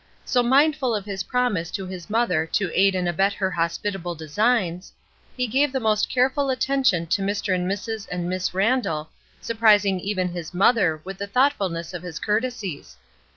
So, mindful of his promise to his mother to aid and abet her hospitable designs, he gave the most careful attention to Mr. and Mrs. and Miss Randall, surprising even his mother with the thoughtfulness of his courte sies.